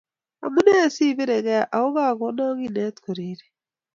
Amune sobirekei akokakonok kinet koreri?